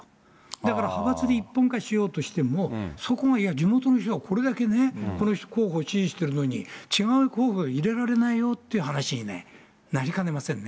だから派閥で一本化しようとしても、そこが、いや地元の人がこれだけね、この候補を支持してるのに、違う候補に入れられないよっていう話にね、なりかねませんね。